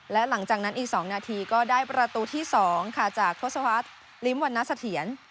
และหลังจากนั้นอีกสองนาทีก็ได้ประตูที่สองค่ะจากทศวรรษริมวันนัสเถียน